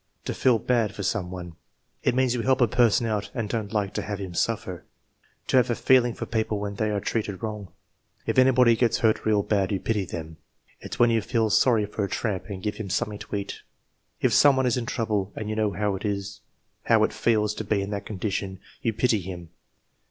"To feel bad for some one." "It means you help a person out and don't like to have him suffer." "To have a feeling for people when they are treated wrong." "If anybody gets hurt real bad you pity them." "It's when you feel sorry for a tramp and give him something to eat." "If some one is in trouble and you know how it feels to be ha that condition, you pity him."